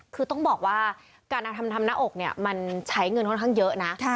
คือต้องบอกว่าการทำหน้าอกเนี่ยมันใช้เงินค่อนข้างเยอะนะ